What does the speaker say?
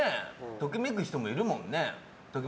ときめく人もいるもんね。